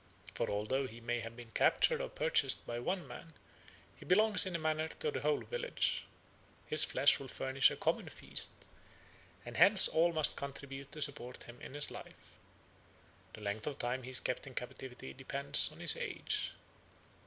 For although he may have been captured or purchased by one man, he belongs in a manner to the whole village. His flesh will furnish a common feast, and hence all must contribute to support him in his life. The length of time he is kept in captivity depends on his age.